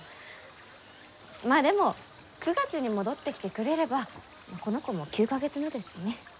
まあでも９月に戻ってきてくれればこの子も９か月目ですしね。